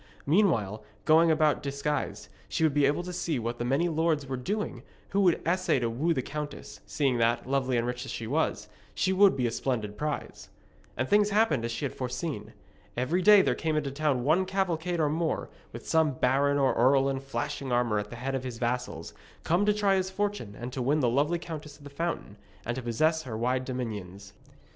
Meanwhile, going about disguised, she would be able to see what the many lords were doing who would essay to woo the countess, seeing that, lovely and rich as she was, she would be a splendid prize. And things happened as she had foreseen. Every day there came into the town one cavalcade or more, with some baron or earl in flashing armour at the head of his vassals, come to try his fortune and to win the lovely Countess of the Fountain, and to possess her wide dominions.